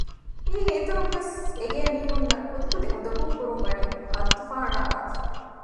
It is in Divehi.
މީގެ އިތުރުންވެސް އެގޭ މީހުންނަށް ކުދިކުދި އުނދަގޫކުރުން ވަނީ ހައްދުފަހަނަ އަޅާފަ